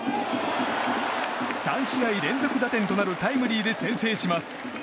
３試合連続打点となるタイムリーで先制します。